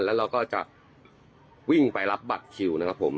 แล้วเราก็จะวิ่งไปรับบัตรคิวนะครับผม